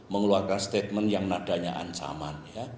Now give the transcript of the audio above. karena statement yang nadanya ancaman